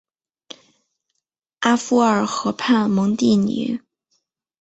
阿夫尔河畔蒙蒂尼。